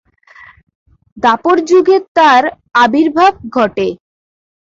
দ্বাপরযুগে তাঁর আবির্ভাব ঘটে।